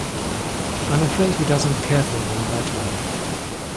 I'm afraid he doesn't care for me in that way.